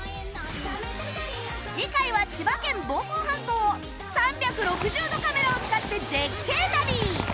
次回は千葉県房総半島を３６０度カメラを使って絶景旅